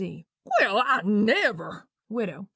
C. "Well, I never!" WIDOW.